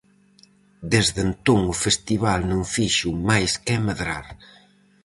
Desde entón o festival non fixo máis que medrar.